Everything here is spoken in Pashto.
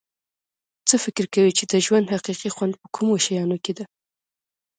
څه فکر کوی چې د ژوند حقیقي خوند په کومو شیانو کې ده